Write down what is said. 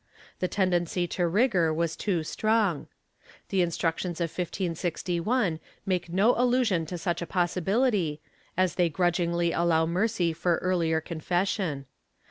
The tendency to rigor was too strong. The Instructions of 1561 make no allusion to such a possibility, as they grudgingly allow mercy for earlier confession.